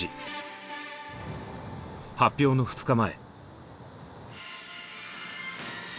発表の２日前。